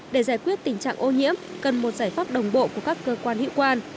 để giải quyết tình trạng ô nhiễm cần một giải pháp đồng bộ của các cơ quan hiệu quan